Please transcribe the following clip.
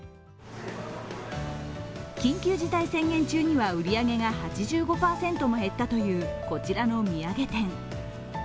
緊急事態宣言中には売り上げが８５％も減ったという、こちらの土産店。